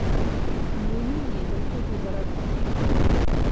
Мы не едзем туды зарабіць.